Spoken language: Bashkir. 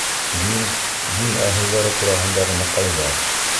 Дин, дин әһелдәре тураһындағы мәҡәлдәр